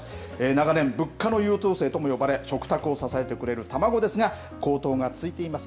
長年、物価の優等生ともいわれ、食卓を支えてくれる卵ですが、高騰が続いています。